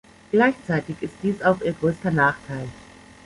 Gleichzeitig ist dies auch ihr größter Nachteil.